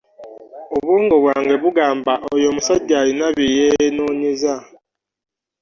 Obwongo bwange bungamba oyo omusajja alina bye yeenoonyeza.